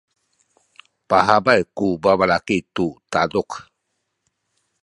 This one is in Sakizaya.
pahabay ku babalaki tu taduk.